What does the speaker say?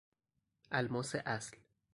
الماس اصل